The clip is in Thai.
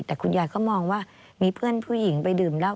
แต่คุณยายก็มองว่ามีเพื่อนผู้หญิงไปดื่มเหล้า